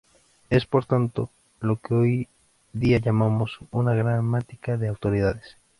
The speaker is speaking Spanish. Es, por tanto, lo que hoy día llamamos una gramática de autoridades.